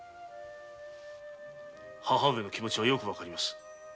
母上の気持はよくわかります。